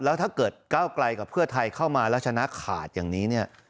แล้วถ้าเกิดก้าวไกลกับเพื่อไทยเข้ามาแล้วชนะขาดอย่างนี้เนี่ย